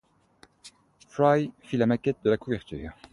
Fry fit la maquette de la couverture.